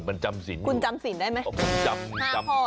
มันจำสินคุณจำสินได้ไหม